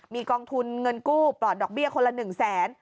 มีกองทุนเงินกู้ปลอดดอกเบี้ยคนละ๑แสน